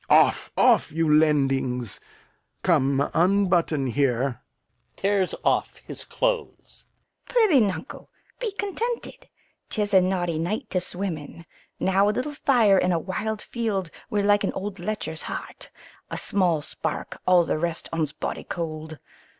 Off, off, you lendings! Come, unbutton here. [Tears at his clothes.] Fool. Prithee, nuncle, be contented! 'Tis a naughty night to swim in. Now a little fire in a wild field were like an old lecher's heart a small spark, all the rest on's body cold.